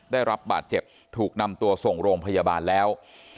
ได้รับบาดเจ็บถูกนำตัวส่งโรงพยาบาลแล้ว